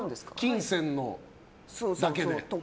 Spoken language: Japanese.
金銭だけで。